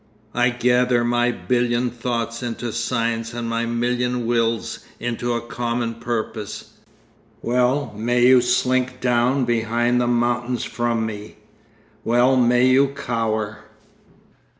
I gather my billion thoughts into science and my million wills into a common purpose. Well may you slink down behind the mountains from me, well may you cower....